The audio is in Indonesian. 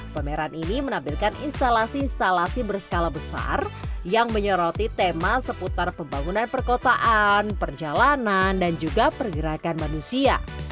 pameran ini menampilkan instalasi instalasi berskala besar yang menyoroti tema seputar pembangunan perkotaan perjalanan dan juga pergerakan manusia